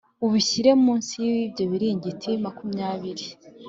ubishyire munsi y ibyo bizingiti makumyabiri